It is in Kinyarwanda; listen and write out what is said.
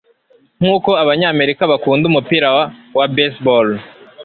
nkuko abanyamerika bakunda umupira wa baseball